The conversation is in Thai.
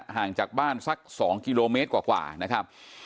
ห่างจากบ้านสัก๒กิโลเมตรกว่านะครับ